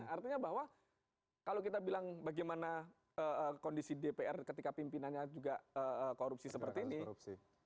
artinya bahwa kalau kita bilang bagaimana kondisi dpr ketika pimpinannya juga korupsi seperti ini